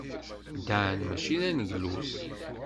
Dan maci d aneglus.